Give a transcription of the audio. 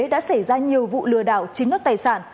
đã xảy ra nhiều vụ lừa đảo chiếm đất tài sản